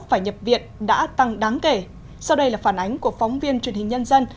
phải nhập viện đã tăng đáng kể sau đây là phản ánh của phóng viên truyền hình nhân dân